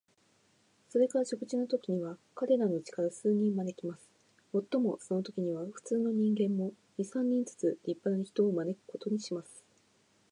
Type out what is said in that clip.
それから食事のときには、彼等のうちから数人招きます。もっともそのときには、普通の人間も、二三人ずつ立派な人を招くことにします。